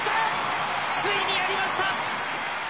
ついにやりました！